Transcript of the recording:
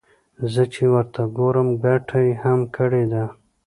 زه چې ورته ګورم ګټه يې هم کړې ده.